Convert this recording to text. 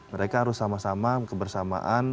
mereka harus sama sama kebersamaan